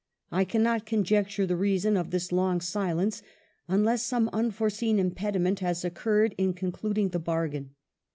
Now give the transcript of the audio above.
I cannot conjecture the rea son of this long silence, unless some unforeseen impediment has occurred in concluding the bar gain.